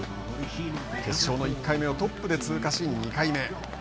決勝の１回目をトップで通過し２回目。